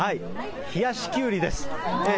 冷やしきゅうりです。